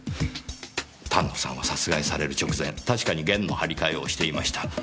丹野さんは殺害される直前確かに弦の張り替えをしていました。